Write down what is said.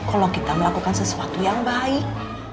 kalau kita melakukan sesuatu yang baik